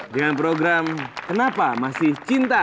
dengan program kenapa masih cinta